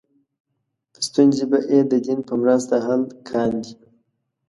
ستونزې به یې د دین په مرسته حل کاندې.